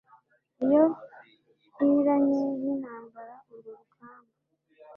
iyo nkiranye nintambara urwo rugamba